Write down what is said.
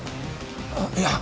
いや